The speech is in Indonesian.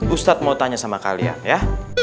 ustadz mau tanya sama kalian ya